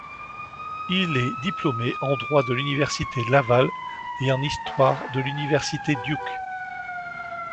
Il est diplômé en droit de l'Université Laval et en histoire de l'Université Duke.